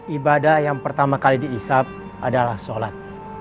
ibadah yang pertama kali diisap adalah sholat